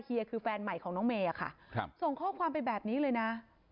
คือแฟนใหม่ของน้องเมย์ค่ะส่งข้อความไปแบบนี้เลยนะ